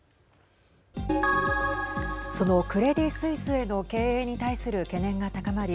そのクレディ・スイスへの経営に対する懸念が高まり